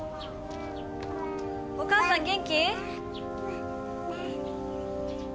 お母さん元気？